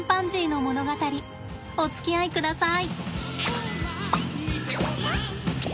おつきあいください。